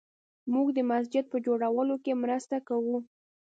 موږ د مسجد په جوړولو کې مرسته کوو